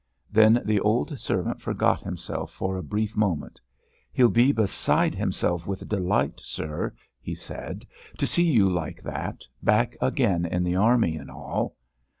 Then the old servant forgot himself for a brief moment. "He'll be beside himself with delight, sir," he said, "to see you like that, back again in the Army, an' all."